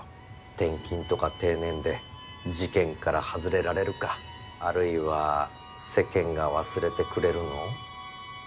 転勤とか定年で事件から外れられるかあるいは世間が忘れてくれるのを。